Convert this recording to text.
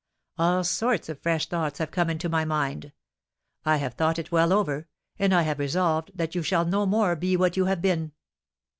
All sorts of fresh thoughts have come into my mind. I have thought it well over, and I have resolved that you shall no more be what you have been."